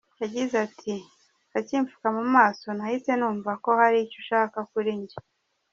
Yagize ati”akipfuka mu maso nahise numva ko hari icyo ushaka kuri jye”.